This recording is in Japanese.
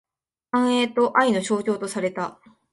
繁栄と愛の象徴とされた。